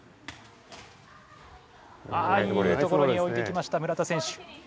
あいいところにおいてきました村田選手。